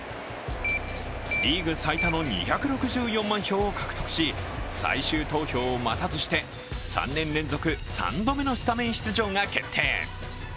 リーグ最多の２６４万票を獲得し最終投票を待たずして３年連続３度目のスタメン出場が決定。